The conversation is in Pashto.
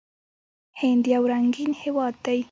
هند یو رنګین هیواد دی.